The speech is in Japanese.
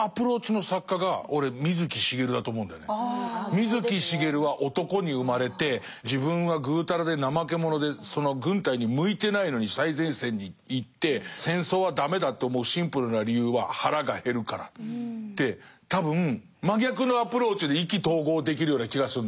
水木しげるは男に生まれて自分はぐうたらで怠け者で軍隊に向いてないのに最前線に行って戦争は駄目だと思うシンプルな理由は腹が減るからって多分真逆のアプローチで意気投合できるような気がするの。